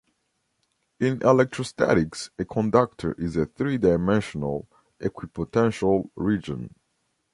In electrostatics a conductor is a three-dimensional equipotential region.